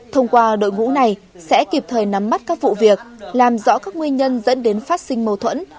thông qua đội ngũ này sẽ kịp thời nắm mắt các vụ việc làm rõ các nguyên nhân dẫn đến phát sinh mâu thuẫn